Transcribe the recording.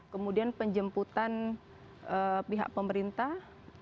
kemudian penjemputan pihak pemerintah